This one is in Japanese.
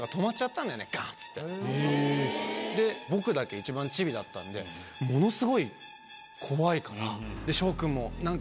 ガっつってで僕だけ一番チビだったんでものスゴい怖いから。